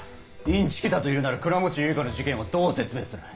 インチキだと言うなら倉持結花の事件はどう説明する？